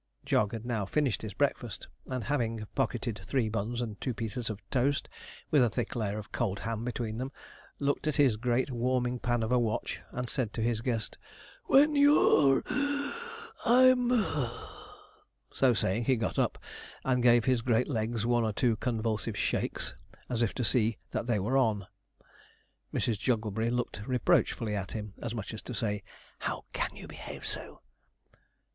Jog had now finished his breakfast, and having pocketed three buns and two pieces of toast, with a thick layer of cold ham between them, looked at his great warming pan of a watch, and said to his guest, 'When you're (wheeze), I'm (puff).' So saying he got up, and gave his great legs one or two convulsive shakes, as if to see that they were on. Mrs. Jogglebury looked reproachfully at him, as much as to say, 'How can you behave so?'